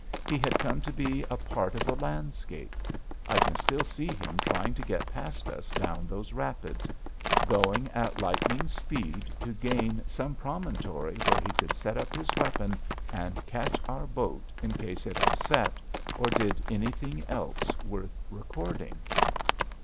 He had come to be a part of the landscape. I can still see him trying to get past us down those rapids, going at lightning speed to gain some promontory where he could set up his weapon and catch our boat in case it upset or did anything else worth recording.